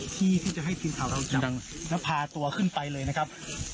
ที่ที่จะให้พิมพ์เผ่าเราจับแล้วพาตัวขึ้นไปเลยนะครับ